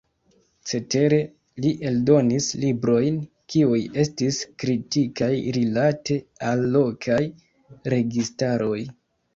Cetere li eldonis librojn kiuj estis kritikaj rilate al lokaj registaroj.